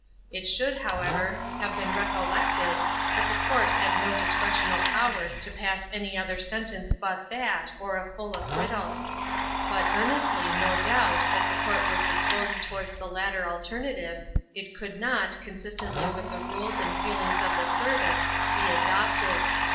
It should, however, have been recollected, that the Court had no discretional power to pass any other sentence but that, or a full acquittal. But earnestly, no doubt, as the Court was disposed towards the latter alternative, it could not, consistently with the rules and feelings of the service, be adopted.